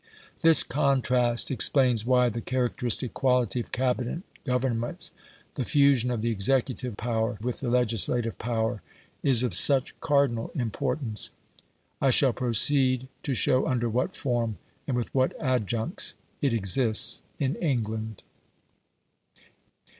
This contrast explains why the characteristic quality of Cabinet Governments the fusion of the executive power with the legislative power is of such cardinal importance. I shall proceed to show under what form and with what adjuncts it exists in England.